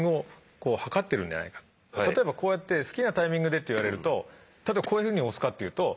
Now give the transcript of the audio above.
例えばこうやって「好きなタイミングで」って言われると例えばこういうふうに押すかっていうと。